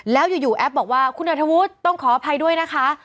แล้วอยู่แอปบอกว่าคุณอัธวุฒิต้องขออภัยด้วยนะคะ